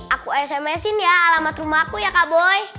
aku sms in ya alamat rumahku ya kak boy